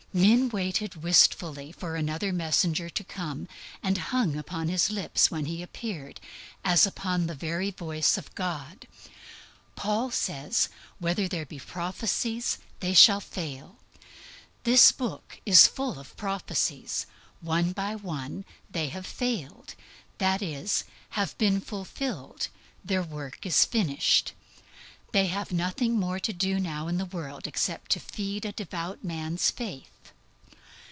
Men waited wistfully for another messenger to come, and hung upon his lips when he appeared, as upon the very voice of God. Paul says, "Whether there be prophecies, they shall fail." The Bible is full of prophecies. One by one they have "failed"; that is, having been fulfilled, their work is finished; they have nothing more to do now in the world except to feed a devout man's faith.